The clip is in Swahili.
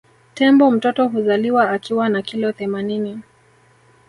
Tembo mtoto huzaliwa akiwa na kilo themanini